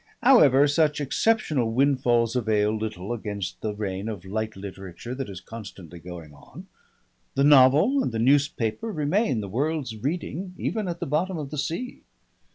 However, such exceptional windfalls avail little against the rain of light literature that is constantly going on. The novel and the newspaper remain the world's reading even at the bottom of the sea.